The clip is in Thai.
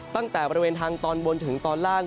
ตั้งแต่บริเวณทางตอนบนถึงตอนล่าง